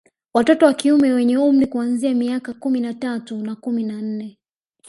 Watoto wa kiume wenye umri kuanzia miaka kumi na tatu na kumi na nne